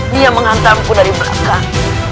dia mengantarku dari belakang